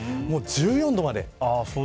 １４度まで。